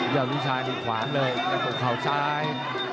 ยาวรุ้นชายติดหวังเลยจะตกเข้าซ้าย